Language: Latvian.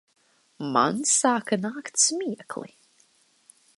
Man sāka nākt smiekli.